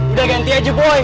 udah ganti aja boy